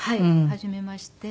始めまして。